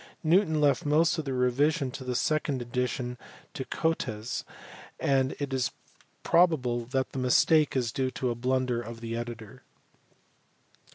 Newton left most of the revision of the second edition to Gotes and it is probable that the mistake is due to a blunder of the editor.